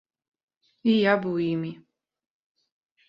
І я быў імі.